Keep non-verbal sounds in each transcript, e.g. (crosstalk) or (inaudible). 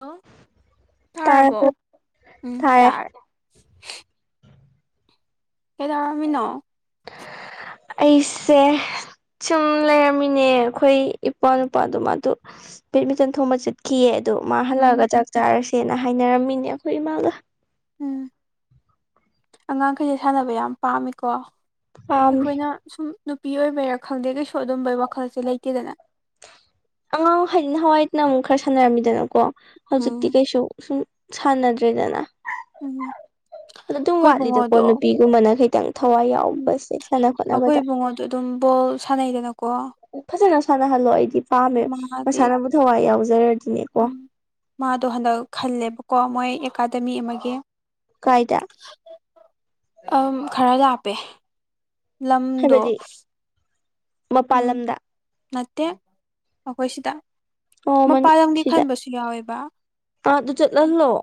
ꯑꯣ ꯇꯔ ꯇꯥꯔꯕꯣ ꯎꯝ ꯇꯔꯦ ꯇꯥꯔꯦ ꯀꯗ ꯅ ꯑꯩꯁꯦ ꯁꯨꯝ ꯂꯩꯔꯝꯃꯤꯅꯦ ꯑꯩꯈꯣꯏ ꯏꯄꯥ ꯅꯨꯄꯥꯗꯨꯣ ꯃꯥꯗꯨ ꯕꯦꯠꯃꯤꯟꯇꯟ ꯊꯣꯡꯕ ꯆꯠꯈꯤꯑ ꯑꯗꯨꯗ ꯃꯥ ꯎꯝ ꯍꯜꯂꯛꯑꯒ ꯆꯥꯛ ꯆꯥꯔꯁꯦꯅ ꯍꯥꯏꯅꯔꯝꯃꯤꯅꯦ ꯑꯩꯈꯣꯏ ꯏꯃꯥꯒ ꯎꯝ ꯑꯉꯥꯡꯈꯩꯁꯦ ꯁꯥꯟꯅꯕ ꯌꯥꯝ ꯄꯥꯝꯃꯤꯀꯣ ꯄꯥꯝꯃꯦ ꯑꯩꯈꯣꯏꯅ ꯁꯨꯝ ꯅꯨꯄꯤ ꯑꯣꯏꯕꯔꯥ ꯈꯪꯗꯦ ꯀꯩꯁꯨ ꯑꯗꯨꯝꯕꯩ ꯋꯥꯈꯜꯁꯦ ꯂꯩꯇꯦꯗꯅ ꯑꯉꯥꯡ ꯍꯥꯏꯗꯤ ꯍꯋꯥꯏꯅ ꯑꯃꯨꯛ ꯈꯔ ꯁꯥꯟꯅꯔꯝꯃꯤꯗꯅꯀꯣ ꯍꯧꯖꯤꯛꯇꯤ ꯎꯝ ꯀꯩꯁꯨ ꯁꯨꯝ ꯁꯥꯟꯅꯗ꯭ꯔꯦꯗꯅ ꯎꯝ ꯑ ꯑꯗꯨꯝ ꯑꯩꯈꯣꯏ ꯋꯥꯠꯂꯤꯗꯀꯣ ꯏꯕꯨꯡꯉꯣꯗꯣ ꯅꯨꯄꯤꯒꯨꯝꯕꯅ ꯀꯩ ꯎꯝ ꯑꯩꯈꯣꯏ ꯏꯕꯨꯡꯉꯣꯗꯣ ꯑꯗꯨꯝ ꯕꯣꯜ ꯁꯥꯟꯅꯩꯗꯅ ꯐꯖꯅ ꯁꯥꯟꯅꯍꯜꯂꯣ ꯑꯩꯗꯤ ꯄꯥꯝꯃꯦ ꯃꯥꯗꯤ ꯃꯁꯥꯅꯕꯨ ꯊꯋꯥꯏ ꯌꯥꯎꯖꯔꯗꯤꯅꯦꯀꯣ ꯎꯝ ꯃꯥꯗꯣ ꯍꯟꯗꯛ ꯈꯜꯂꯦꯕꯀꯣ ꯃꯣꯏ ꯑꯦꯀꯥꯗꯃꯤ ꯑꯃꯒꯤ ꯀꯥꯏꯗ ꯑ ꯈꯔ ꯂꯥꯞꯄꯦ ꯂꯝꯗꯣ ꯎꯝ ꯃꯄꯥꯜꯂꯝꯗ ꯅꯠꯇꯦ ꯑꯩꯈꯣꯏ ꯁꯤꯗ ꯑꯣ ꯃꯟ ꯃꯄꯥꯟ ꯂꯝꯒꯤ ꯁꯤꯗ ꯈꯟꯕꯁꯨ ꯌꯥꯎꯋꯦꯕ ꯑꯥ ꯑꯗꯨ ꯆꯠꯍꯜꯂꯣ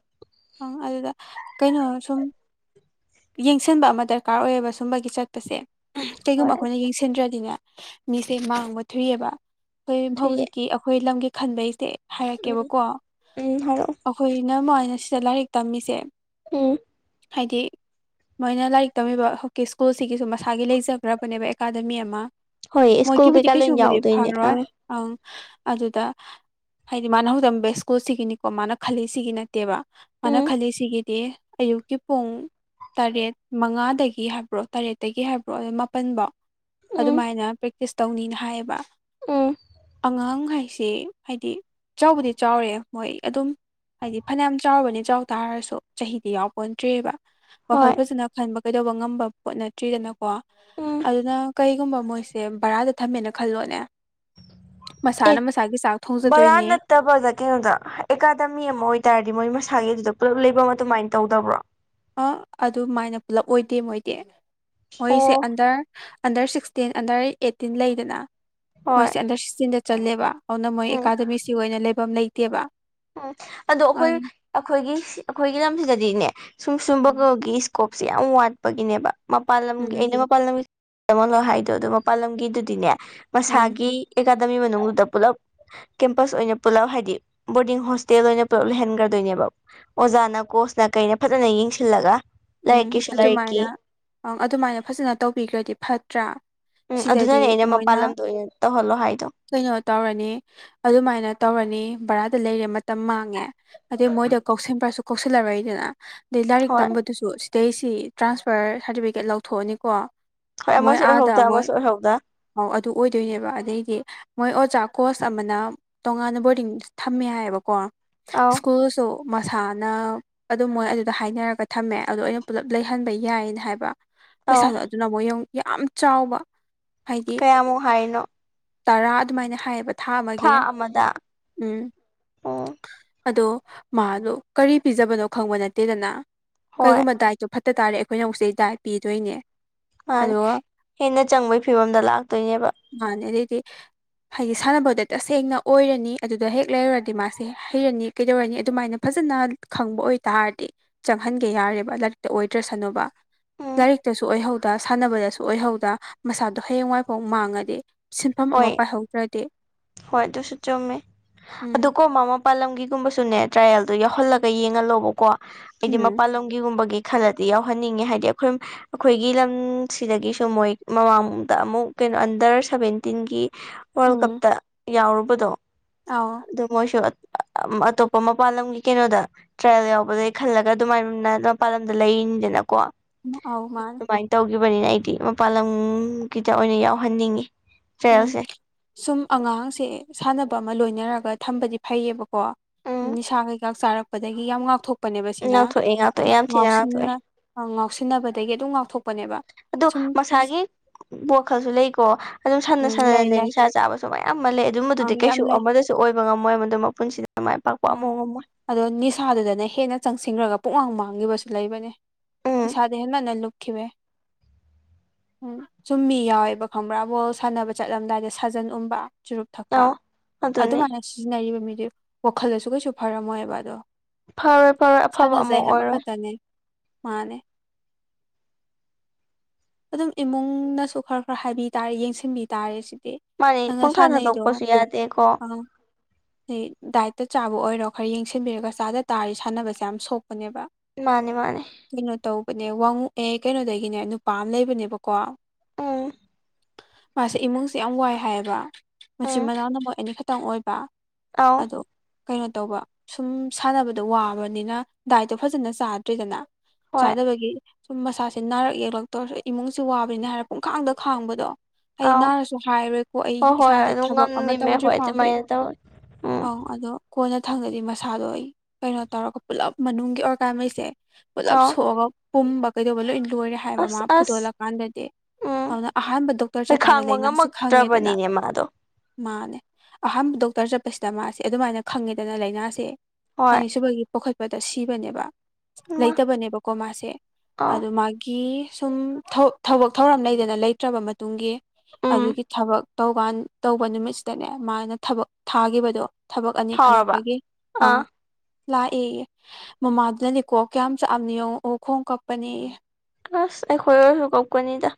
ꯑꯪ ꯑꯗꯨꯗ ꯀꯩꯅꯣ ꯁꯨꯝ ꯌꯦꯡꯁꯤꯟꯕ ꯑꯃ ꯗꯔꯀꯥꯔ ꯑꯣꯏꯌꯦꯕ ꯁꯨꯝꯕꯒꯤ ꯆꯠꯄꯁꯦ ꯀꯩꯒꯨꯝꯕ ꯍꯣꯏ ꯑꯩꯈꯣꯏꯅ ꯌꯦꯡꯁꯤꯟꯗ꯭ꯔꯗꯤꯅꯦ ꯃꯤꯁꯦ ꯃꯥꯡꯕ ꯊꯨꯏꯑꯕ ꯑꯩꯈꯣꯏ ꯊꯨꯏꯌꯦ ꯍꯧꯖꯤꯛꯀꯤ ꯑꯩꯈꯣꯏ ꯂꯝꯒꯤ ꯈꯟꯕꯩꯁꯦ ꯎꯝ ꯍꯥꯏꯔꯛꯀꯦꯕꯀꯣ ꯎꯝ ꯍꯥꯏꯔꯛꯑꯣ ꯑꯩꯈꯣꯏꯅ ꯃꯣꯏꯅ ꯁꯤꯗ ꯂꯥꯏꯔꯤꯛ ꯇꯝꯃꯤꯁꯦ ꯎꯝ ꯍꯥꯏꯗꯤ ꯃꯣꯏꯅ ꯂꯥꯏꯔꯤꯛ ꯇꯝꯃꯤꯕ ꯍꯧꯖꯤꯛꯀꯤ ꯁ꯭ꯀꯨꯜꯁꯤꯒꯤꯁꯨ ꯃꯁꯥꯒꯤ ꯂꯩꯖꯈ꯭ꯔꯕꯅꯦꯕ ꯑꯦꯀꯥꯗꯃꯤ ꯑꯃ ꯍꯣꯏ ꯁ꯭ꯀꯨꯜ ꯃꯣꯏꯒꯤꯕꯨꯗꯤ ꯀꯩꯀꯥ ꯂꯣꯏ ꯀꯩꯁꯨꯕꯨꯗꯤ ꯌꯥꯎꯗꯣꯏꯅꯦ ꯐꯔꯣꯏ ꯑꯥ ꯑꯪ ꯑꯗꯨꯗ ꯍꯥꯏꯗꯤ ꯃꯥꯅ ꯍꯧꯔꯝꯕ ꯁ꯭ꯀꯨꯜ ꯁꯤꯒꯤꯅꯤꯀꯣ ꯃꯥꯅ ꯈꯜꯂꯤ ꯁꯤꯒꯤ ꯅꯠꯇꯦꯕ ꯃꯥꯅ ꯎꯝ ꯈꯜꯂꯤ ꯁꯤꯒꯤꯗꯤ ꯑꯌꯨꯛꯀꯤ ꯄꯨꯡ ꯇꯔꯦꯠ ꯃꯉꯥꯗꯒꯤ ꯍꯥꯏꯕ꯭ꯔꯣ ꯇꯔꯦꯠꯇꯒꯤ ꯍꯥꯏꯕ꯭ꯔꯣ ꯑꯗꯨ ꯃꯥꯄꯜꯐꯧ ꯎꯝ ꯑꯗꯨꯃꯥꯏꯅ ꯄ꯭ꯔꯦꯛꯇꯤꯁ ꯇꯧꯅꯤꯅ ꯍꯥꯏꯌꯦꯕ ꯎꯝ ꯑꯉꯥꯡ ꯍꯥꯏ ꯁꯦ ꯍꯥꯏꯗꯤ ꯆꯥꯎꯕꯗꯤ ꯆꯥꯎꯔꯦ ꯃꯣꯏ ꯑꯗꯨꯝ ꯍꯥꯏꯗꯤ ꯐꯅꯌꯥꯝ ꯆꯥꯎꯨꯔꯕꯅꯤ ꯆꯥꯎ ꯇꯥꯔꯁꯨ ꯆꯍꯤꯗꯤ ꯌꯥꯎꯕ ꯄꯣꯟꯇꯔꯦꯕ ꯋꯥꯈꯜ ꯍꯣꯏ ꯐꯖꯅ ꯈꯟꯕ ꯀꯩꯗꯧꯕ ꯉꯝꯕ ꯄꯣꯠ ꯅꯠꯇ꯭ꯔꯤꯗꯅꯀꯣ ꯎꯝ ꯑꯗꯨꯅ ꯀꯩꯒꯨꯝꯕ ꯃꯣꯏꯁꯦ ꯕꯔꯥꯗ ꯊꯝꯃꯦꯅ ꯈꯜꯂꯣꯅꯦ ꯑꯦ ꯃꯁꯥꯅ ꯃꯁꯥꯒꯤ ꯆꯥꯛ ꯕꯔꯥ ꯊꯣꯡꯖꯗꯣꯏꯅꯦ ꯅꯠꯇꯕꯗ ꯀꯩꯅꯣꯗ ꯑꯦꯀꯥꯗꯃꯤ ꯑꯃ ꯑꯣꯏꯇꯥꯔꯗꯤ ꯃꯣꯏ ꯃꯁꯥꯒꯤ ꯑꯗꯨꯗ ꯄꯨꯂꯞ ꯂꯩꯕꯝ ꯑꯗꯨꯃꯥꯏꯅ ꯇꯧꯗꯕ꯭ꯔꯣ ꯑ ꯑꯗꯨꯃꯥꯏꯅ ꯄꯨꯂꯞ ꯑꯣꯏꯗꯦ ꯃꯣꯏꯗꯤ ꯃꯣꯏꯁꯦ ꯑꯣ under under sixteen under eighteen ꯂꯩꯗꯅ ꯍꯣꯏ ꯃꯣꯏꯁꯦ ꯑꯟꯗꯔ ꯁꯤꯛꯁꯇꯤꯟꯗ ꯆꯜꯂꯦꯕ ꯑꯗꯨꯅ ꯃꯣꯏ ꯎꯝ ꯑꯦꯀꯥꯗꯃꯤꯁꯤ ꯑꯣꯏꯅ ꯂꯩꯐꯝ ꯂꯩꯇꯦꯕ ꯎꯝ ꯑꯗꯣ ꯑ ꯑꯩꯈꯣꯏ ꯑꯩꯈꯣꯏꯒꯤ ꯑꯩꯈꯣꯏꯒꯤ ꯂꯝꯁꯤꯗꯗꯤꯅꯦ ꯁꯨꯝ ꯎꯝ ꯁꯨꯝꯕꯒꯤ ꯀꯣꯞꯁꯦ ꯌꯥꯝ ꯋꯥꯠꯄꯒꯤꯅꯦꯕ ꯃꯄꯥꯜ ꯎꯝ ꯂꯝꯒꯤ ꯑꯩꯅ ꯃꯄꯥꯜ ꯂꯝꯒꯤ ꯇꯝꯃꯜꯂꯣ ꯍꯥꯏꯗꯣ ꯑꯗꯣ ꯃꯄꯥꯜ ꯂꯝꯒꯤꯗꯨꯗꯤꯅꯦ ꯎꯝ ꯃꯁꯥꯒꯤ ꯑꯦꯀꯥꯗꯃꯤ ꯃꯅꯨꯡꯗꯨꯗ ꯄꯨꯜꯂꯞ ꯀꯦꯝꯄꯁ ꯑꯣꯏꯅ ꯄꯨꯂꯞ ꯍꯥꯏꯗꯤ ꯕꯣꯔꯗꯤꯡ ꯍꯣꯁꯇꯦꯜ ꯑꯣꯏꯅ ꯄꯨꯂꯞ ꯂꯩꯍꯟꯈ꯭ꯔꯗꯣꯏꯅꯦꯕ ꯑꯣꯖꯥꯅ ꯀꯣꯁꯅ ꯀꯩꯅ ꯐꯖꯅ ꯌꯦꯡꯁꯤꯜꯂꯒ ꯎꯝ ꯂꯥꯏꯔꯤꯛꯀꯤꯁꯨ ꯂꯥꯏꯔꯤꯛꯀꯤ ꯑꯗꯨꯃꯥꯏꯅ ꯑꯪ ꯑꯗꯨꯃꯥꯏꯅ ꯐꯖꯅ ꯇꯧꯕꯤꯈ꯭ꯔꯗꯤ ꯐꯠꯇ꯭ꯔ ꯎꯝ ꯁꯤꯗꯗꯤ ꯑꯗꯨꯅꯅꯦ ꯑꯩꯅ ꯃꯄꯥꯟ ꯂꯝꯗ ꯑꯣꯏꯅ ꯇꯧꯍꯜꯂꯣ ꯍꯥꯏꯗꯣ ꯀꯩꯅꯣ ꯇꯧꯔꯅꯤ ꯑꯗꯨꯃꯥꯏꯅ ꯇꯧꯔꯅꯤ ꯕꯔꯥꯗ ꯂꯩꯔꯦ ꯃꯇꯝ ꯃꯥꯡꯉꯦ ꯑꯗꯩ ꯃꯣꯏꯗ ꯀꯧꯁꯟꯕ꯭ꯔꯁꯨ ꯀꯧꯁꯤꯜꯂꯔꯣꯏꯗꯅ ꯑꯗꯩ ꯂꯥꯏꯔꯤꯛ ꯍꯣꯏ ꯇꯝꯕꯗꯨꯁꯨ ꯁꯤꯗꯩꯁꯤ ꯇ꯭ꯔꯥꯟꯁꯐꯔ ꯁꯥꯔꯇꯤꯐꯤꯀꯦꯠ ꯂꯧꯊꯣꯛꯑꯅꯤꯀꯣ ꯍꯣꯏ ꯃꯣꯏ ꯑꯃꯁꯨ ꯑꯥꯗ ꯑꯣꯏꯍꯧꯗ ꯃꯣꯏ ꯑꯃꯁꯨ ꯑꯣꯏꯍꯧꯗ ꯑ ꯑꯗꯨ ꯑꯣꯏꯗꯣꯏꯅꯦꯕ ꯑꯗꯩꯗꯤ ꯃꯣꯏ ꯑꯣꯖꯥ ꯀꯣꯁ ꯑꯃꯅ ꯇꯣꯉꯥꯟꯅ ꯕꯣꯔꯗꯤꯡ ꯊꯝꯃꯦ ꯍꯥꯏꯌꯦꯕꯀꯣ ꯑꯧ ꯁ꯭ꯀꯨꯜꯁꯨ ꯃꯁꯥꯅ ꯑꯗꯨꯝ ꯃꯣꯏ ꯑꯗꯨꯗ ꯍꯥꯏꯅꯔꯒ ꯊꯝꯃꯦ ꯑꯗꯣ ꯑꯩꯅ ꯄꯨꯜꯂꯞ ꯂꯩꯍꯟꯕ ꯌꯥꯏꯌꯦꯅ ꯍꯥꯏꯕ ꯑꯧ ꯄꯩꯁꯥꯗꯣ ꯑꯗꯨꯅ ꯑꯃꯨꯛ ꯌꯦꯡꯉꯨ ꯌꯥꯝ ꯆꯥꯎꯕ ꯍꯥꯏꯗꯤ ꯀꯌꯥꯃꯨꯛ ꯍꯥꯏꯔꯤꯅꯣ ꯇꯔꯥ ꯑꯗꯨꯃꯥꯏꯅ ꯍꯥꯏꯌꯦꯕ ꯊꯥ ꯑꯃꯒꯤ ꯎꯝ ꯎꯝ ꯑꯗꯣ ꯃꯥꯗꯣ ꯀꯔꯤ ꯄꯤꯖꯕꯅꯣ ꯈꯪꯕ ꯅꯠꯇꯦꯗꯅ ꯍꯣꯏ ꯀꯩꯒꯨꯝꯕ ꯗꯥꯏꯠꯇꯨ ꯐꯠꯇ ꯇ ꯇꯥꯔꯦ ꯑꯩꯈꯣꯏꯅ ꯍꯧꯖꯤꯛ ꯗꯥꯏꯠ ꯄꯤꯗꯣꯏꯅꯦ ꯃꯥꯅꯦ ꯑꯗꯨꯒ ꯍꯦꯟꯅ ꯆꯪꯕꯒꯤ ꯐꯤꯕꯝꯗ ꯂꯥꯛꯇꯣꯏꯅꯦꯕ ꯃꯥꯅꯦ (unintelligible) ꯍꯥꯏꯗꯤ ꯁꯥꯟꯅꯕꯗ ꯇꯁꯦꯡꯅ ꯑꯣꯏꯔꯅꯤ ꯑꯗꯨꯗ ꯍꯦꯛ ꯂꯩꯔꯨꯔꯗꯤ ꯃꯥꯁꯦ ꯍꯩꯔꯅꯤ ꯀꯩꯗꯧꯔꯅꯤ ꯑꯗꯨꯃꯥꯏꯅ ꯐꯖꯅ꯫ ꯅ ꯈꯪꯕ ꯑꯣꯏꯇꯥꯔꯗꯤ ꯆꯪꯍꯟꯒꯦ ꯌꯥꯔꯦꯕ ꯂꯥꯛꯇ ꯑꯣꯏꯗ꯭ꯔꯁꯅꯨꯕ꯫ ꯎꯝ ꯂꯥꯏꯔꯤꯛꯇꯁꯨ ꯑꯣꯏꯍꯧꯗ ꯁꯥꯟꯅꯕꯗꯁꯨ ꯑꯣꯏꯍꯧꯗ ꯃꯁꯥꯗꯣ ꯍꯌꯦꯡꯋꯥꯏꯐꯥꯎ ꯃꯥꯡꯉꯗꯤ꯫ ꯁꯤꯟꯐꯝ ꯍꯣꯏ ꯑꯃ ꯄꯥꯏꯍꯧꯗ꯭ꯔꯦ꯫ ꯍꯣꯏ ꯑꯗꯨꯁꯨ ꯆꯨꯝꯃꯦ ꯎꯝ ꯑꯗꯨꯀꯣ ꯃꯃꯣ꯫ ꯃꯄꯥꯜ ꯂꯝꯒꯤꯒꯨꯝꯕꯁꯨꯅꯦ ꯇ꯭ꯔꯥꯏꯌꯦꯜꯗꯨ ꯌꯥꯎꯍꯜꯂꯒ ꯌꯦꯡꯍꯜꯂꯣꯕꯀꯣ ꯍꯥꯏꯗꯤ ꯎꯝ ꯃꯄꯥꯜ ꯂꯝꯒꯤꯒꯨꯝꯕꯒꯤ꯫ ꯈꯜꯂꯗꯤ ꯌꯥꯎꯍꯟꯅꯤꯡꯉꯦ ꯍꯥꯏꯗꯤ ꯑꯩꯈꯣꯏ ꯑꯩꯈꯣꯏꯒꯤ ꯂꯝꯁꯤꯗꯒꯤꯁꯨ ꯃꯣꯏ ꯃꯃꯥꯡꯗ ꯑꯃꯨꯛ꯫ ꯑꯟꯗꯔ ꯁꯚꯦꯟꯇꯤꯟꯒꯤ꯫ ꯋꯥꯔꯜ ꯎꯝ ꯀꯞꯇ ꯌꯥꯎꯔꯨꯕꯗꯣ ꯑꯧ ꯑꯗꯨ ꯃꯣꯏꯁꯨ꯫ ꯑꯇꯣꯞꯄ ꯃꯄꯜ ꯂꯝꯒꯤ ꯀꯩꯅꯣꯗ ꯇ꯭ꯔꯥꯏꯌꯦꯜ ꯌꯥꯎꯕꯗꯩ ꯈꯜꯂꯒ ꯑꯗꯨꯃꯥꯏꯅ ꯃꯄꯥꯥꯟ ꯂꯝꯗ ꯂꯩꯅꯤ꯫ (unintelligible) ꯅꯀꯣ ꯑꯧ ꯃꯥꯅꯦ꯫ ꯕꯅꯤꯅ ꯑꯩꯗꯤ ꯃꯄꯥꯟ ꯂꯝꯒꯤꯗ ꯑꯣꯏꯅ ꯌꯥꯎꯍꯟꯅꯤꯡꯉꯤ꯫ ꯎꯝ ꯇ꯭ꯔꯥꯌꯦꯜꯁꯦ ꯁꯨꯝ ꯑꯉꯥꯡꯁꯦ ꯁꯥꯟꯅꯕ ꯑꯃ ꯂꯣꯏꯅꯔꯒ ꯊꯝꯕꯗꯤ ꯐꯩꯌꯦꯕꯀꯣ꯫ ꯎꯝ ꯅꯤꯁꯥ ꯀꯩꯀꯥ ꯆꯥꯔꯛꯄꯗꯒꯤ ꯌꯥꯝ ꯉꯥꯛꯊꯣꯛ꯫ ꯄꯅꯦꯕ ꯁꯤꯅ ꯉꯥꯛꯊꯣꯛꯑꯦ ꯉꯥꯛꯊꯣꯛꯑꯦ ꯌꯥꯝ ꯊꯤꯅ ꯉꯥꯛꯊꯣꯛꯑꯦ ꯉꯥꯎꯁꯤꯟꯅ ꯉꯥꯎꯁꯤꯟꯅꯕꯗꯒꯤ ꯑꯗꯨꯝ ꯉꯥꯎꯊꯣꯛ꯫ ꯑꯥꯗꯣ ꯃꯁꯥꯒꯤ ꯋꯥꯈꯜꯁꯨ ꯂꯩꯀꯣ ꯑꯗꯨꯝ ꯁꯟꯅ ꯎꯝ ꯂꯩ ꯁꯅꯅꯅꯦ ꯂꯩ ꯅꯤꯁꯥ ꯆꯥꯕꯁꯨ꯫ ꯁꯨ ꯃꯌꯥꯝꯑꯝꯂꯩ ꯑꯗꯨꯝꯕꯗꯨꯗꯤ ꯑꯪ ꯌꯥꯝ ꯀꯩꯁꯨ ꯂꯩ ꯑꯃꯗꯁꯨ ꯑꯣꯏꯕ ꯉꯝꯃꯣꯏ ꯃꯗꯨ ꯃꯄꯨꯟꯁꯤꯗꯁꯨ꯫ ꯑ ꯑꯗꯣ ꯅꯤꯁꯥꯗꯨꯗꯅ ꯍꯦꯟꯅ ꯆꯪꯁꯤꯟꯈ꯭ꯔꯒ꯫ ꯄꯨꯡꯃꯥꯡ ꯃꯥꯡꯈꯤꯕꯁꯨ ꯂꯩꯕꯅꯦ ꯎꯝ ꯅꯤꯁꯥꯗ ꯍꯦ ꯃꯟꯅ ꯂꯨꯞꯈꯤꯕꯩ꯫ ꯎꯝ ꯆꯨꯝ ꯃꯤ ꯌꯥꯎꯋꯦꯕ ꯈꯪꯕ꯭ꯔꯥ ꯕꯣꯜ ꯁꯥꯟꯅꯕ ꯆꯠꯂꯝꯗꯥꯏꯗ ꯁꯥꯖꯟ ꯎꯨꯝꯕ꯫ ꯆꯨꯔꯨꯞ ꯊꯛꯄ ꯑꯧ ꯑꯗꯨꯅꯤ ꯑꯗꯨꯃꯥꯏꯅ ꯁꯤꯖꯤꯟꯅꯔꯤꯕ ꯃꯤꯗꯣ ꯋꯥꯈꯜꯗꯁꯨ ꯀꯩꯁꯨ ꯐꯔꯝꯃꯣꯏꯕ ꯑꯗꯣ꯫ ꯐꯔꯣꯏ ꯐꯔꯣꯏ ꯑꯐꯕ ꯑꯃ ꯁꯥꯟꯅꯖꯩ ꯍꯥꯏꯕ ꯑꯣꯏꯔꯣꯏ꯫ ꯈꯛꯇꯅꯦ ꯃꯥꯅꯦ꯫ ꯑꯗꯨꯝ ꯏꯃꯨꯡꯅꯁꯨ ꯈꯔ ꯈꯔ ꯍꯥꯏꯕꯤ ꯇꯥꯔꯦ ꯌꯦꯡꯁꯤꯟꯕꯤ ꯇꯥꯔꯦ ꯁꯤ꯫ ꯃꯥꯅꯤ ꯑꯗꯥ ꯄꯨꯡꯊꯥ ꯁꯥꯟꯅꯩꯗꯣ ꯊꯥꯗꯣꯛꯄꯁꯨ ꯌꯥꯗꯦꯀꯣ ꯑꯥ꯫ ꯗꯥꯏꯠꯇ ꯆꯥꯕ ꯑꯣꯏꯔꯣ ꯈꯔ ꯌꯦꯡꯁꯤꯟꯕꯤꯔꯒ ꯆꯥꯗ ꯇꯥꯔꯤ ꯁꯥꯟꯅꯕꯁꯦ ꯌꯥꯝ ꯁꯣꯛ꯫ ꯄꯅꯦꯕ ꯃꯥꯅꯤ ꯃꯥꯅꯤ ꯀꯩꯅꯣ ꯇꯧꯕꯅꯦ ꯋꯥꯡꯉꯨ ꯑꯦ ꯀꯩꯅꯣꯗꯒꯤꯅꯦ ꯅꯨ꯫ ꯄꯥ ꯑꯝ ꯂꯩꯕꯅꯦꯕꯀꯣ꯫ ꯑꯥ꯫ ꯃꯥꯁꯦ ꯏꯃꯨꯡꯁꯦ ꯌꯥꯝ ꯋꯥꯏ ꯍꯥꯏꯌꯦꯕ ꯃꯆꯤꯟ ꯎꯝ ꯃꯅꯥꯎꯅ ꯑꯃꯨꯢ ꯑꯥꯅꯤ ꯈꯛꯇꯪ ꯑꯣꯏꯕ꯫ ꯑꯧ ꯑꯗꯣ꯫ ꯀꯩꯅꯣ ꯇꯧꯕ ꯁꯨꯝ ꯁꯥꯟꯅꯕꯗꯣ ꯋꯥꯕꯅꯤꯅ ꯗꯥꯏꯠꯇꯣ ꯐꯖꯅ ꯆꯥꯗ꯭ꯔꯤꯗꯅ꯫ ꯍꯣꯏ ꯆꯥꯗꯕꯒꯤ ꯁꯨꯝ ꯃꯁꯥꯁꯦ ꯅꯥꯔꯛ ꯌꯦꯛꯂꯛ꯫ ꯇꯧꯔꯛ ꯏꯃꯨꯡꯁꯦ ꯋꯥꯕꯅꯤ ꯍꯥꯏꯔ ꯄꯨꯡꯈꯥꯡꯗ ꯈꯥꯡꯕꯗꯣ꯫ ꯑꯩ ꯑꯧ ꯅꯔꯥꯅꯁꯨ ꯍꯥꯏꯔꯣꯏꯀꯣ ꯑꯩ ꯍꯣꯏ ꯍꯣꯏ ꯏꯁꯥꯥꯁꯦ ꯑꯗꯨꯝ ꯊꯕꯛ ꯑꯃ ꯉꯝꯃꯤꯃꯦ ꯇꯧꯗ꯭ꯔꯤ ꯍꯣꯏ ꯐꯥꯎꯗꯤ꯫ ꯑꯗꯨꯃꯥꯏꯅ ꯇꯧꯋꯤ ꯎꯝ ꯑꯧ ꯑꯗꯣ ꯀꯣꯟꯅ ꯊꯪꯗꯗꯤ ꯃꯁꯥꯗꯣ ꯑꯩ ꯀꯩꯅꯣ ꯇꯧꯔꯒ ꯄꯨꯂꯞ ꯃꯅꯨꯡꯒꯤ ꯑꯣꯔꯒꯥꯟ ꯃꯩꯁꯦ꯫ ꯄꯨꯂꯞ ꯑꯧ ꯁꯣꯛꯑꯒ ꯄꯨꯝꯕ ꯀꯩꯗꯧꯕ ꯂꯣꯏ ꯂꯣꯏꯔꯦ ꯍꯥꯏꯕ ꯃꯥ꯫ ꯑꯁ ꯑꯁ ꯐꯨꯗꯣꯂꯛꯀꯥꯟꯗꯗꯤ ꯎꯝ ꯑꯗꯨꯅ ꯑꯍꯥꯟꯕ ꯗꯣꯛꯇꯔ ꯍꯣꯏ ꯆꯠꯀꯥꯟꯗ ꯈꯥꯡꯕ ꯂꯥꯏꯅꯥꯁꯤ ꯈꯪꯉꯦꯗꯅ꯫ ꯉꯝꯃꯛꯇ꯭ꯔꯕꯅꯤꯅꯦ ꯃꯥꯗꯣ ꯃꯥꯅꯦ ꯑꯍꯥꯟꯕ ꯗꯣꯛꯇꯔ ꯆꯠ꯫ ꯁꯤꯗ ꯃꯥꯁꯦ ꯑꯗꯨꯃꯥꯏꯅ ꯈꯪꯉꯦꯗꯅ ꯂꯥꯏꯅꯥꯁꯦ ꯍꯣꯏ ꯑꯅꯤꯁꯨꯕꯒꯤ ꯄꯣꯛꯈꯠꯄꯗ ꯁꯤꯕꯅꯦꯕꯪ ꯏꯃꯥ ꯂꯩꯇꯕꯅꯦꯕꯀꯣ ꯃꯥꯁꯦ ꯑꯧ ꯑꯗꯨ ꯃꯥꯒꯤ꯫ ꯁꯨꯝ ꯊꯕꯛ ꯊꯕꯛ ꯊꯧꯔꯝ ꯂꯩꯗꯅ ꯂꯩꯇ꯭ꯔꯕ ꯃꯇꯨꯡꯒꯤ꯫ ꯎꯝ ꯑꯗꯨꯒꯤ ꯊꯕꯛ ꯇꯧꯀꯥꯟ ꯇꯧꯕ ꯅꯨꯃꯤꯠꯁꯤꯗꯅꯦ ꯃꯥꯅ ꯊꯕꯛ ꯊꯥꯈꯤꯕꯗꯣ꯫ ꯊꯕꯛ ꯑꯅꯤ ꯐꯥꯎꯔꯕ ꯈꯜꯂꯛꯄꯒꯤ ꯑꯪ꯫ ꯑꯥ ꯂꯥꯛꯑꯦꯌꯦ ꯃꯃꯥꯗꯨꯅꯅꯦꯀꯣ ꯀꯌꯥꯝ ꯆꯛꯑꯝꯅꯤ ꯌꯦꯡꯉꯣ ꯑꯣꯛꯈꯣꯡ ꯀꯞꯄꯅꯦꯌꯦ꯫ ꯑꯁ ꯑꯩꯈꯣꯏ ꯑꯣꯏꯔꯁꯨ ꯀꯞꯀꯅꯤꯗ꯫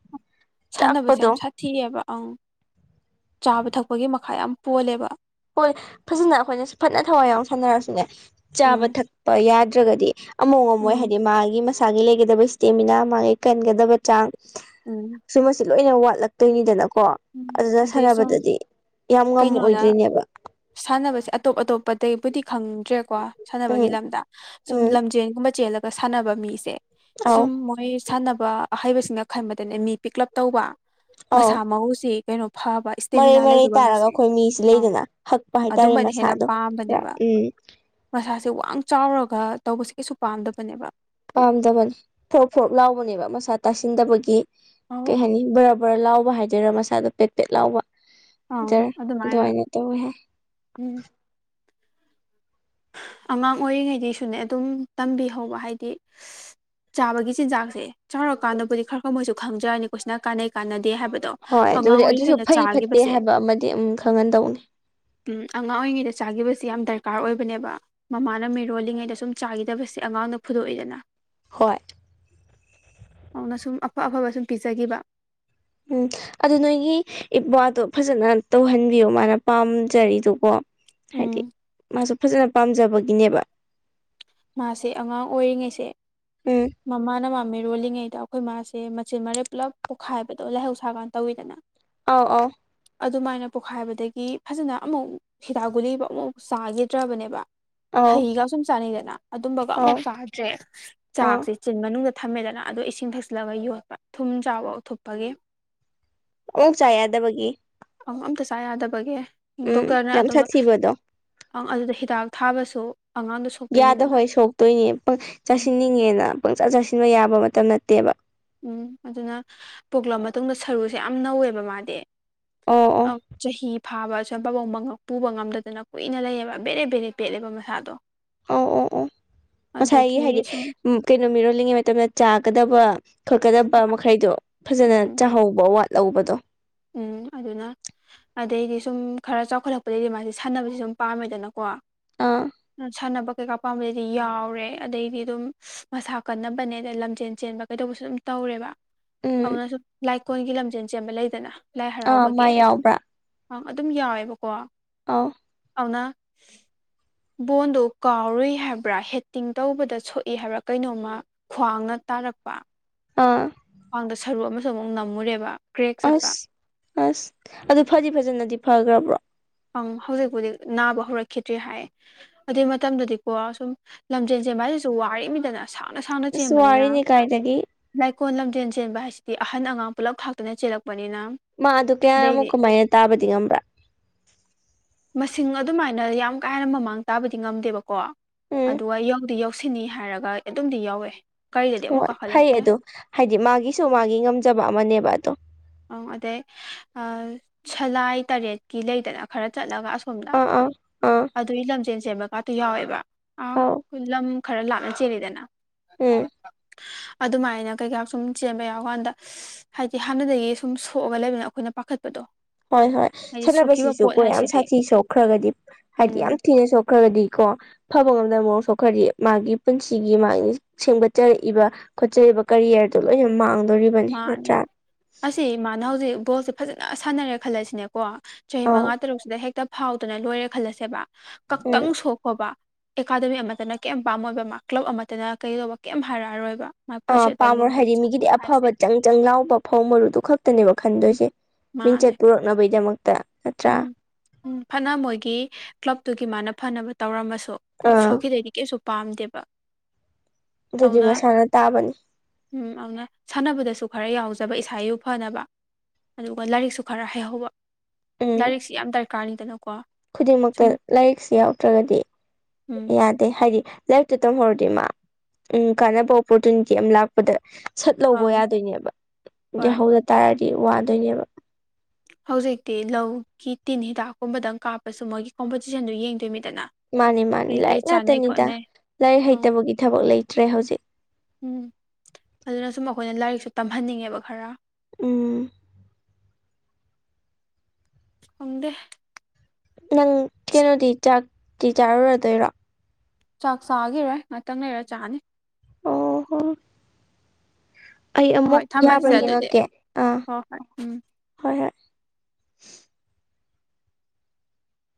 ꯁꯥꯟꯅꯕꯁꯦ ꯆꯥꯛꯄꯗꯣ ꯌꯥꯝ ꯁꯥꯊꯤꯑꯦꯕ ꯑꯪ ꯆꯥꯕ ꯊꯛꯄꯒꯤ ꯃꯈꯥ ꯌꯥꯝ ꯄꯣꯜꯂꯦꯕ꯫ ꯍꯣꯏ ꯐꯖꯅ ꯑꯩꯈꯣꯏꯅꯁꯨ ꯐꯖꯅ ꯊꯋꯥꯏ ꯌꯥꯎ ꯁꯥꯟꯅꯔꯁꯨꯅꯦ ꯆꯥꯕ ꯎꯝ ꯊꯛꯄ ꯌꯥꯗ꯫ ꯅꯠꯇ꯭ꯔꯒꯗꯤ ꯑꯃꯨꯛ ꯉꯝꯃꯣꯏ ꯎꯝ ꯍꯥꯏꯗꯤ ꯃꯥꯒꯤ ꯃꯁꯥꯒꯤ ꯂꯩꯒꯗꯕ ꯏꯁꯇꯦꯃꯤꯅꯥ ꯃꯥꯒꯤ ꯀꯟꯒꯗꯕ ꯆꯥꯡ꯫ ꯎꯝ ꯁꯨꯝꯕꯁꯤ ꯂꯣꯏꯅ ꯋꯥꯠꯂꯛꯇꯣꯏꯅꯤꯗꯅꯀꯣ ꯎꯝ ꯑꯗꯨꯅ ꯑꯗꯩ ꯁꯨꯝ ꯁꯥꯟꯅꯕꯗꯗꯤ ꯌꯥꯝ ꯀꯩꯅꯣꯅ ꯉꯝꯃꯑꯣꯏꯗꯣꯏꯅꯦꯕ ꯁꯥꯟꯅꯕꯁꯦ ꯑꯇꯣꯞ ꯑꯇꯣꯞꯄꯇꯩꯩꯕꯨꯗꯤ ꯈꯪꯗ꯭ꯔꯦꯀꯣ ꯁꯥꯟꯅꯕꯒꯤ ꯎꯝ ꯂꯝꯗ ꯁꯨꯝ ꯎꯝ ꯂꯝꯖꯦꯜꯒꯨꯝꯕ ꯆꯦꯜꯂ ꯑꯗꯨꯒ ꯁꯥꯟꯅꯕ ꯃꯤꯁꯦ ꯑꯧ ꯁꯨꯝ ꯃꯣꯏ ꯁꯥꯟꯅꯕ ꯑꯍꯩꯕꯁꯤꯡꯅ ꯈꯟꯕꯗꯅꯦ ꯃꯤ ꯄꯤꯛꯂꯞ ꯇꯧꯕ ꯑꯧ ꯃꯁꯥ ꯃꯎꯁꯤ ꯀꯩꯅꯣ ꯐꯕ ꯃꯔꯩ ꯏꯁꯇꯦꯃꯤꯅꯥ ꯃꯔꯩ ꯂꯩꯗꯧꯕ ꯇꯥꯔꯒ ꯃꯤꯁꯦ ꯑꯩꯈꯣꯏ ꯃꯤꯁꯤ ꯑꯪ ꯂꯩꯗꯅ ꯍꯛꯄ ꯑ ꯍꯥꯏꯇꯥꯔꯦ ꯑꯗꯨꯝꯕꯅ ꯍꯦꯟꯅ ꯃꯁꯥꯗꯣ ꯈꯔ ꯄꯥꯝꯕꯅꯦꯕ ꯎꯝ ꯃꯁꯥꯁꯦ ꯋꯥ ꯆꯥꯎꯔꯒ ꯇꯧꯕꯁꯦ ꯀꯩꯁꯨ ꯄꯥꯝꯗꯕꯅꯦꯕ ꯄꯥꯝꯗꯕꯅꯤ ꯐꯣꯔꯣꯛ ꯐꯣꯔꯣꯛ ꯂꯥꯎꯕꯅꯦꯕ ꯃꯁꯥ ꯇꯥꯁꯤꯟꯗꯕꯒꯤ ꯀꯩ ꯑꯧ ꯍꯥꯏꯅꯤ ꯕ ꯕꯔ ꯂꯥꯎꯕ ꯍꯥꯏꯖꯔꯥ ꯃꯁꯥꯗ ꯄꯦꯛ ꯄꯦꯠ ꯂꯥꯎꯕ ꯑꯗꯨꯗ ꯑꯗꯨꯃꯥꯏꯅ ꯇꯧꯍꯦ ꯎꯝ ꯑꯉꯥꯡ ꯑꯣꯏꯔꯤꯉꯩꯗꯒꯤꯁꯨꯅꯦ ꯑꯗꯨꯝ ꯇꯝꯕꯤꯍꯧꯕ ꯍꯥꯏꯗꯤ ꯆꯥꯕꯒꯤ ꯆꯤꯟꯖꯥꯛꯁꯦ ꯆꯥꯎꯔꯀꯥꯟꯗꯕꯨꯗꯤ ꯈꯔ ꯈꯔ ꯃꯣꯏꯁꯨ ꯈꯪꯖꯔꯅꯤꯀꯣꯏꯁꯤꯅ ꯀꯥꯟꯅꯩ ꯀꯥꯟꯅꯗ ꯍꯥꯏꯗꯣ ꯍꯣꯏ ꯑꯉꯥꯡ ꯑꯗꯨꯕꯨꯗꯤ ꯑꯗꯨꯁꯨ ꯑꯣꯏꯔꯤꯩꯅ ꯆꯥ ꯐꯩ ꯐꯠꯇꯦ ꯍꯥꯏꯕ ꯑꯃꯗꯤ ꯑꯗꯨꯝ ꯈꯪꯍꯟꯗꯧꯅꯤ ꯎꯝ ꯑꯉꯥꯡ ꯑꯣꯏꯔꯤꯉꯩꯗ ꯆꯥꯈꯤꯕꯁꯤ ꯌꯥꯝ ꯗꯔꯀꯥꯔ ꯑꯣꯏꯕ ꯅꯦꯕ ꯃꯃꯥꯅ ꯃꯤꯔꯣꯜꯂꯤꯉꯩꯗ ꯁꯨꯝ ꯆꯥꯈꯤꯗꯕꯁꯦ ꯑꯉꯥꯡꯅ ꯐꯨꯗꯣꯛꯏꯗꯅ ꯍꯣꯏ ꯑꯗꯨꯅ ꯁꯨꯝ ꯑꯐ ꯑꯐꯕ ꯁꯨꯝ ꯄꯤꯖꯈꯤꯕ ꯎꯝ ꯑꯗꯨ ꯅꯣꯏꯒꯤ ꯏꯕꯥꯗꯣ ꯐꯖꯅ ꯇꯧꯍꯟꯕꯤꯌꯣ ꯃꯥꯅ ꯄꯥꯝꯖꯔꯤꯗꯨꯀꯣ ꯎꯝ ꯍꯥꯏꯗꯤ ꯃꯥꯁꯨ ꯐꯖꯅ ꯄꯥꯝꯖꯕꯒꯤꯅꯦꯕ ꯃꯥꯁꯦ ꯑꯉꯥꯡ ꯑꯣꯏꯔꯤꯉꯩꯁꯦ ꯎꯝ ꯃꯃꯥꯅ ꯃꯃꯤ ꯔꯣꯜꯂꯤꯉꯩꯗ ꯑꯩꯈꯣꯏ ꯃꯥꯁꯦ ꯃꯆꯤꯟ ꯃꯔꯦ ꯄꯨꯂꯞ ꯄꯣꯛꯈꯥꯏꯕꯗꯣ ꯂꯥꯏꯍꯧꯁꯥ ꯀꯥꯟꯅ ꯇꯧꯋꯤꯗꯅ ꯑꯥꯎ ꯑꯥꯎ ꯑꯗꯨꯃꯥꯏꯅ ꯄꯣꯛꯈꯥꯏꯕꯗꯒꯤ ꯐꯖꯅ ꯑꯃꯨꯛ ꯍꯤꯗ ꯒꯨꯂꯤꯕ ꯑꯃꯨꯐꯥꯎ ꯆꯥꯈꯤꯗ꯭ꯔꯕꯅꯦꯕ ꯑꯧ ꯍꯩꯒ ꯁꯨꯝ ꯆꯥꯅꯩꯗꯅ ꯑꯗꯨꯝꯕꯒ ꯑꯧ ꯑꯃꯨꯛ ꯆꯥꯗ꯭ꯔꯦ ꯑꯥ ꯆꯥꯛꯁꯦ ꯆꯤꯟ ꯃꯅꯨꯡꯗ ꯊꯝꯃꯦꯗꯅ ꯑꯗꯨꯗ ꯏꯁꯤꯡ ꯊꯛꯆꯤꯜꯂꯒ ꯌꯣꯠꯄ ꯊꯨꯝ ꯆꯥꯎꯕ ꯎꯊꯨꯞꯄꯒꯤ ꯎ ꯆꯗꯕꯒꯤ ꯑꯝꯇ ꯆꯥ ꯌꯥꯗꯕꯒꯦ ꯎꯝ ꯗꯣꯛꯇꯔꯅ ꯌꯥꯝ ꯑꯗꯨꯪ ꯁꯥꯊꯤꯕꯗꯣ ꯑꯗꯨꯗ ꯍꯤꯗꯥꯛ ꯊꯥꯕꯁꯨ ꯑꯉꯥꯡꯗꯣ ꯌꯥꯗ ꯁꯣꯛꯇꯣꯏꯃꯤꯗꯅ ꯍꯣꯏ ꯁꯣꯛꯇꯣꯏꯅꯦ ꯑꯪ ꯆꯥꯁꯤꯟꯅꯤꯡꯉꯦꯅ ꯄꯪꯆꯥ ꯆꯥꯁꯤꯟꯕ ꯌꯥꯕ ꯃꯇꯝ ꯅꯠꯇꯦꯕ ꯎꯝ ꯑꯗꯨꯅ ꯄꯣꯛꯂꯛꯑ ꯃꯇꯨꯡꯗ ꯁꯔꯨꯁꯦ ꯌꯥꯝ ꯅꯧꯋꯦꯕ ꯃꯥꯗꯤ ꯑꯣ ꯑꯣ ꯑ ꯆꯍꯤꯍꯤ ꯐꯥꯕ ꯑꯝ ꯄꯥꯕꯣꯡ ꯄꯨꯕ ꯉꯝꯗꯗꯅ ꯀꯨꯏꯅ ꯂꯩꯌꯦꯕ ꯕꯦꯔꯦ ꯕꯦꯔꯦ ꯄꯦꯠꯂꯦꯕ ꯃꯁꯥꯗꯣ ꯑꯣ ꯑꯣ ꯑꯣ (unintelligible) ꯉꯁꯥꯏꯒꯤ ꯑꯗꯒꯤ ꯍꯥꯏꯗꯤ ꯁꯨꯝ ꯀꯩꯅꯣ ꯃꯤꯔꯣꯜꯂꯤꯉꯩ ꯃꯇꯝꯗ ꯆꯥꯒꯗꯕ ꯈꯛꯀꯗꯕ ꯃꯈꯩꯗꯣ ꯐꯖꯅ ꯎꯝ ꯆꯥꯍꯧꯕ ꯋꯥꯠꯍꯧꯕꯗꯣ ꯎꯝ ꯑꯗꯨꯅ ꯑꯗꯩꯗꯤ ꯁꯨꯝ ꯈꯔ ꯆꯥꯎꯈꯠꯂꯛꯄꯗꯒꯤꯩꯗꯤ ꯃꯥꯁꯦ ꯁꯥꯟꯅꯕꯁꯤ ꯁꯨꯝ ꯄꯥꯝꯃꯦꯗꯅꯀꯣ ꯑ ꯑꯥ ꯁꯥꯟꯅꯕ ꯀꯩꯀꯥ ꯄꯥꯝꯕꯗꯩꯗꯤ ꯌꯥꯎꯔꯦ ꯑꯗꯩꯗꯤ ꯑꯗꯨꯝ ꯃꯁꯥ ꯀꯟꯅꯕꯅꯦ ꯑꯗ ꯂꯝꯖꯦꯟ ꯆꯦꯟꯕ ꯀꯩꯗꯧꯕꯁꯨ ꯑꯗꯨꯝ ꯇꯧ ꯍꯧꯔꯦꯕ ꯎꯝ ꯑꯗꯨꯅ ꯁꯨꯝ ꯂꯥꯏꯀꯣꯟꯜꯒꯤ ꯂꯝꯖꯦꯜ ꯆꯦꯟꯕ ꯂꯩꯗꯅ ꯑꯥ ꯃꯥ ꯌꯥꯎꯕ꯭ꯔꯥ ꯑꯪ ꯑꯗꯨꯝ ꯌꯥꯎꯋꯦꯕꯀꯣ ꯑ ꯊꯅ ꯕꯣꯟꯗꯣ ꯀꯥꯎꯔꯨꯏ ꯍꯥꯏꯕ꯭ꯔꯥ ꯍꯦꯠꯇꯤꯡ ꯇꯧꯕꯗ ꯁꯣꯛꯏ ꯍꯥꯏꯕ꯭ꯔꯥ ꯀꯩꯅꯣꯝꯃ ꯈ꯭ꯋꯥꯡꯅ ꯇꯥꯔꯛꯄ ꯑꯥ ꯃꯃꯥꯡꯗ ꯁꯔꯨ ꯑꯃꯁꯨ ꯑꯃꯨꯛ ꯅꯝꯃꯨꯔꯦꯕ ꯀ꯭ꯔꯦꯛ ꯆꯠꯄ ꯑꯁ ꯑꯁ ꯑꯗꯨ ꯐꯗꯤ ꯐꯖꯅꯗꯤ ꯐꯈ꯭ꯔꯕ꯭ꯔꯣ ꯪ ꯍꯧꯖꯤꯛꯄꯨꯗꯤ ꯅꯥꯕ ꯍꯧꯔꯛꯈꯤꯗ꯭ꯔꯤ ꯍꯥꯏ ꯑꯗꯨꯏ ꯃꯇꯝꯗꯗꯤꯀꯣ ꯁꯨꯝ ꯂꯝꯖꯦꯟꯁꯦ ꯑꯩꯁꯨ ꯋꯥꯔꯤꯃꯤꯗꯅ ꯁꯥꯡꯅ ꯁꯥꯡꯅ ꯑꯁ ꯆꯦꯟꯕꯅꯤꯅ ꯋꯥꯔꯤꯅꯤ ꯀꯥꯏꯗꯒꯤ ꯂꯥꯏꯛ ꯏꯀꯣꯟ ꯂꯝꯖꯦꯟ ꯆꯦꯟꯕ ꯍꯥꯏꯁꯤꯗꯤ ꯑꯍꯟ ꯑꯉꯥꯡ ꯄꯨꯂꯞ ꯊꯥꯛꯇꯅ ꯆꯦꯜꯂꯛꯄ ꯃꯥ ꯑꯗꯨ ꯀꯌꯥꯃꯨꯛ ꯀꯃꯥꯏꯅ ꯇꯥꯕꯗꯤ ꯉꯝꯕ꯭ꯔꯥ ꯃꯁꯤꯡ ꯑꯗꯨꯃꯥꯏꯅ ꯌꯥꯝ ꯀꯥ ꯍꯦꯟꯅ ꯃꯃꯥꯡ ꯇꯥꯕꯗꯤ ꯉꯝꯗꯦꯕꯀꯣ ꯎꯝ ꯑꯗꯨꯒ ꯌꯧꯗꯤ ꯌꯧ ꯁꯤꯅꯤ ꯍꯥꯏꯔꯒ ꯑꯗꯨꯝꯗꯤ ꯌꯥꯎꯋꯦ ꯍꯣꯏ ꯐꯩ ꯑꯗꯣ ꯍꯥꯏꯗꯤ ꯃꯥꯒꯤꯁꯨ ꯃꯥꯒꯤ ꯉꯝꯖꯕ ꯑꯃꯅꯦꯕ ꯑꯗꯣ ꯑꯪ ꯑꯗꯩ ꯁꯂꯥꯏ ꯇꯔꯦꯠꯀꯤ ꯂꯩꯗꯅ ꯈꯔ ꯆꯠꯂꯒ ꯑ ꯁꯣꯝꯅ ꯑꯥ ꯑꯥ ꯑꯥ ꯑꯗꯨꯒꯤ ꯂꯝꯖꯦꯟ ꯁꯦꯝꯦꯟꯕꯀꯥꯇꯣ ꯌꯥꯎꯋꯦꯕ ꯑ ꯑꯥꯎ ꯈꯨꯂꯝ ꯈꯔ ꯂꯥꯞꯅ ꯆꯦꯜꯂꯤꯗꯅ ꯎꯝ ꯑꯗꯨꯃꯥꯏꯅ ꯀꯩꯀꯥ ꯁꯨꯝ ꯆꯦꯟꯕ ꯌꯥꯎꯕꯀꯥꯟꯗ ꯍꯥꯏꯗꯤ ꯍꯥꯟꯅꯗꯒꯤ ꯁꯨꯝ ꯁꯣꯛꯑꯒ ꯂꯩꯕꯅꯤꯅ ꯑꯩꯈꯣꯏꯅ ꯄꯥꯈꯠ ꯍꯣꯏ ꯍꯣꯏ ꯁꯥꯟꯅꯕꯁꯤꯁꯨ ꯄꯣꯠ ꯀꯣ ꯌꯥꯝ ꯍꯥꯏꯁꯤꯗꯤ ꯁꯥꯊꯤ ꯁꯣꯛꯈ꯭ꯔꯒꯗꯤ ꯍꯥꯏꯗꯤ ꯎꯝ ꯌꯥꯝ ꯊꯤꯅ ꯁꯣꯛꯈ꯭ꯔꯒꯗꯤꯀꯣ ꯐꯕ ꯃꯛꯁꯨ ꯈꯔꯤ ꯃꯥꯒꯤ ꯄꯨꯟꯁꯤꯒꯤ ꯃꯥꯒꯤ ꯁꯦꯝꯒꯠꯆꯔꯛꯏꯕ ꯈꯣꯠꯆꯔꯤꯕ ꯀꯔꯤꯌꯔꯗꯣ ꯂꯣꯏꯅ ꯃꯥꯡ ꯃꯥꯅꯦ ꯑꯁꯤ ꯏꯃꯅ ꯍꯧꯖꯤꯛ ꯕꯣꯜꯁꯦ ꯐꯖꯅ ꯁꯥꯟꯅꯔꯦ ꯈꯜꯂꯁꯤꯅꯦꯀꯣ ꯆꯍꯤ ꯑꯧ ꯃꯉꯥ ꯇꯔꯨꯛꯁꯤꯗ ꯍꯦꯛꯇ ꯐꯥꯎꯗꯅ ꯂꯣꯏꯔꯦ ꯈꯜꯂꯁꯦꯕ ꯈꯛꯇꯪ ꯎꯝ ꯁꯣꯛꯈꯣꯕ ꯑꯦꯀꯥꯗꯃꯤ ꯑꯃꯠꯇꯅ ꯀꯔꯤꯝ ꯄꯥꯝꯃꯣꯏꯕ ꯃꯥ ꯀ꯭ꯂꯕ ꯑꯃꯇꯅ ꯀꯩꯗꯧꯕ ꯀꯩꯝ ꯍꯥꯏꯔꯛꯑꯔꯣꯏꯕ ꯃꯥ ꯑꯥ ꯄꯨꯁꯦ ꯇꯂꯨ ꯄꯥꯝꯃꯔꯣꯏ ꯑꯔꯝ ꯍꯥꯏꯗꯤ ꯃꯤꯒꯤꯗꯤ ꯑꯐꯕ ꯆꯪ ꯆꯪ ꯂꯥꯎꯕ ꯐꯧ ꯃꯔꯨꯗꯨ ꯈꯛꯇꯅꯦꯕ ꯈꯟꯗꯣꯏꯁꯦ ꯃꯥꯅꯦ ꯃꯤꯡꯆꯠ ꯄꯨꯔꯛꯅꯕꯒꯤꯗꯃꯛꯇ ꯎꯝ ꯎꯝ ꯐꯅ ꯃꯣꯏꯒꯤ ꯀ꯭ꯂꯞꯇꯨꯒꯤ ꯃꯥꯅ ꯐꯅꯕ ꯇꯧꯔꯝꯃꯁꯨ ꯑꯥ ꯁꯣꯛꯈꯤꯗꯩꯗꯤ ꯀꯩꯁꯨ ꯄꯥꯝꯗꯦꯕ ꯑꯗꯨꯗꯤ ꯑꯗꯨꯅ ꯃꯁꯥꯅ ꯇꯥꯕꯅꯤ ꯎꯝ ꯑꯗꯨꯅ ꯁꯥꯟꯅꯕꯗꯁꯨ ꯈꯔ ꯌꯥꯎꯖꯩ ꯐꯖꯕ ꯏꯁꯥꯕꯨ ꯐꯅꯕ ꯑꯗꯨꯒ ꯂꯥꯏꯔꯤꯛꯁꯨ ꯈꯔ ꯍꯩꯍꯧꯕ ꯎꯝ ꯂꯥꯏꯔꯤꯛꯁꯤ ꯌꯥꯝ ꯗꯔꯀꯥꯔ ꯀꯥꯔꯤ ꯇꯅꯀꯣ ꯈꯨꯗꯤꯡꯃꯛꯇ ꯂꯥꯏꯔꯤꯛꯁꯤ ꯌꯥꯎꯗ꯭ꯔꯒꯗꯤ ꯎꯝ ꯌꯥꯗꯦ ꯍꯥꯏꯗꯤ ꯂꯥꯏꯐꯇ ꯇꯝꯍꯧꯔꯗꯤ ꯏ ꯃꯥ ꯎꯝ ꯀꯥꯟꯅꯕ ꯑꯣꯄꯣꯔꯆꯨꯅꯤꯇꯤ ꯑꯃ ꯂꯥꯛꯄꯗ ꯁꯠ ꯂꯧꯕ ꯑꯪ ꯌꯥꯗꯣꯏꯅꯦꯕ ꯍꯣꯏ ꯌꯥꯍꯧꯗ ꯇꯥꯔꯗꯤ ꯋꯥꯗꯣꯏꯅꯦꯕ ꯍꯧꯖꯤꯛꯇꯤ ꯂꯧꯒꯤ ꯇꯤꯟ ꯍꯤꯗꯥꯛꯀꯨꯝꯕꯗꯪ ꯀꯥꯞꯄꯁꯨ ꯃꯣꯏꯒꯤ ꯀꯣꯝꯄꯣꯇꯤꯁꯟꯗꯨ ꯌꯦꯡꯗꯣꯏ ꯃꯤꯠ ꯃꯥꯅꯤ ꯃꯥꯅꯤ ꯂꯥꯏꯔꯤꯛ ꯉꯥꯛꯇꯅꯤꯗ ꯈꯣꯠꯅꯩ ꯂꯥꯏꯔꯤꯛ ꯑꯪ ꯍꯩꯇꯕꯒꯤ ꯊꯕꯛ ꯂꯩꯇ꯭ꯔꯦ ꯍꯧꯖꯤꯛ ꯎꯝ ꯑꯗꯨꯅ ꯁꯨꯝ ꯑꯩꯈꯣꯏꯅ ꯂꯥꯏꯔꯤꯛꯁꯨ ꯇꯝꯍꯟꯅꯤꯡꯉꯦꯕ ꯈꯔ ꯎꯝ ꯑꯣꯗ ꯅꯪ ꯀꯩꯅꯣꯗꯤ ꯆꯥꯛꯇꯤ ꯆꯥꯔꯨꯔꯗꯣꯏꯔꯣ ꯆꯥꯛ ꯆꯥꯈꯤꯔꯣꯏ ꯉꯥꯛꯇꯪ ꯂꯩꯔ ꯆꯥꯅꯤ ꯑꯣ ꯍꯣ ꯑꯩ ꯑꯃꯨꯛ ꯍꯣꯏ ꯌꯥꯕ꯭ꯔꯥ ꯊꯝꯃꯁꯦ ꯑꯗꯨꯗꯤ ꯌꯦꯡꯉꯛꯀꯦ ꯑꯥ ꯍꯣꯏ ꯍꯣꯏ ꯎꯝ ꯍꯣꯏ ꯍꯣꯏ